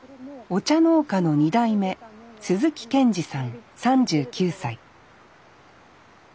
お茶農家の２代目鈴木健二さん３９歳。